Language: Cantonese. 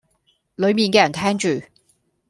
裡面嘅人聽住